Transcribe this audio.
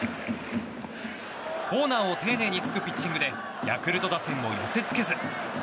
コーナーを丁寧につくピッチングでヤクルト打線を寄せ付けず。